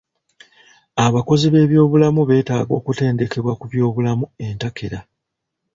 Abakozi b'ebyobulamu beetaga okutendekebwa ku by'obulamu entakera.